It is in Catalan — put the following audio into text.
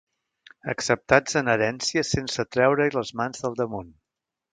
Acceptats en herència sense treure-hi les mans del damunt.